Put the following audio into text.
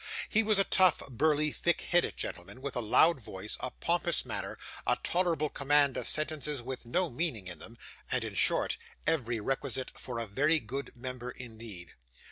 He was a tough, burly, thick headed gentleman, with a loud voice, a pompous manner, a tolerable command of sentences with no meaning in them, and, in short, every requisite for a very good member indeed.